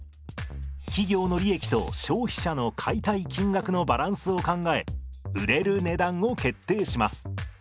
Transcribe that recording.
企業の利益と消費者の買いたい金額のバランスを考え売れる値段を決定します。